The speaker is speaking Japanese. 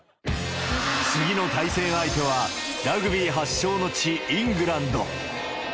次の対戦相手は、ラグビー発祥の地、イングランド。